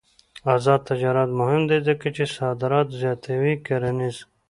آزاد تجارت مهم دی ځکه چې صادرات زیاتوي کرنيز.